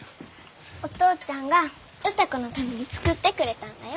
お父ちゃんが歌子のために作ってくれたんだよ。